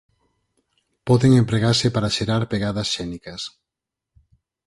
Poden empregarse para xerar pegadas xénicas.